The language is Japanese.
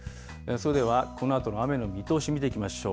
それでは、このあとの雨の見通しを見ていきましょう。